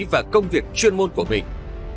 và công việc chuyên môn của mình